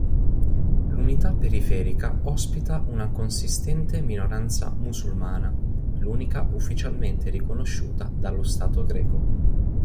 L'unità periferica ospita una consistente minoranza musulmana, l'unica ufficialmente riconosciuta dallo stato greco.